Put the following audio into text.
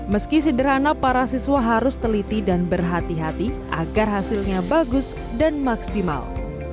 meski sederhana para siswa harus teliti dan berhati hati agar hasilnya bagus dan maksimal